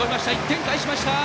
１点返しました！